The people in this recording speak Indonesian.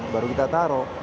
baru kita taruh